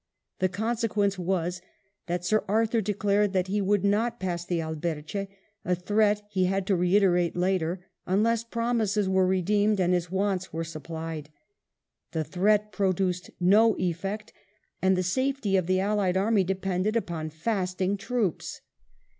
The conse quence was that Sir Arthur declared that he would not pass the Alberche, a threat he had to reiterate later, unless promises were redeemed and his wants were supplied. The threat produced no effect, and the safety of the allied army depended upon fasting troops